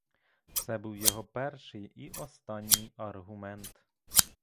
Це був його перший і останній аргумент.